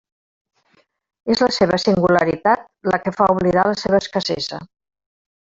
És la seva singularitat la que fa oblidar la seva escassesa.